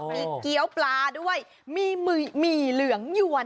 มีเกี้ยวปลาด้วยมีหมี่เหลืองยวน